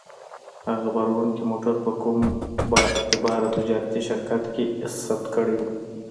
هغه باروړونکی موټر په کوم با اعتباره تجارتي شرکت کې ثبت کړی و.